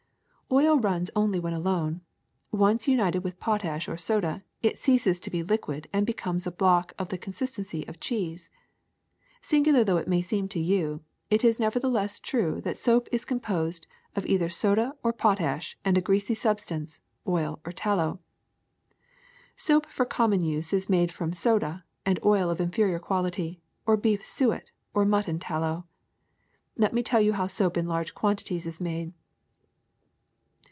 ^'Oil runs only when alone. Once united with potash or soda, it ceases to be liquid and becomes a block of the consistency of cheese. Singular though it may seem to you, it is nevertheless true that soap is composed of either soda or potash and a greasy substance, oil or tallow. ^^Soap for common use is made from soda and oil of inferior quality, or beef suet or mutton tallow. Let me tell you how soap in large quantities is made.